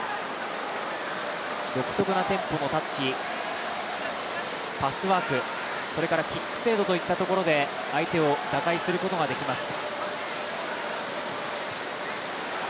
独特なテンポのタッチパスワーク、それからキック精度といったところで相手を打開することができます。